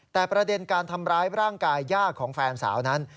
แต่ประเด็นการทำร้ายร่างกายย่าของแฟนสาวนั้น